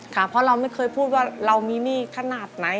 ค่ะเพราะเราไม่เคยพูดว่าเรามีหนี้ขนาดไหน